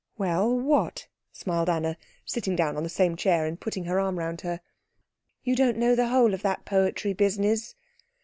"Well, what?" smiled Anna, sitting down on the same chair and putting her arm round her. "You don't know the whole of that poetry business."